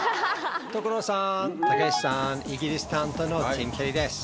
所さん、たけしさん、イギリス担当のティム・ケリーです。